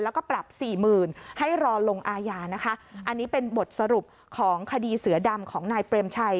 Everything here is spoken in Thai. แล้วก็ปรับสี่หมื่นให้รอลงอาญานะคะอันนี้เป็นบทสรุปของคดีเสือดำของนายเปรมชัย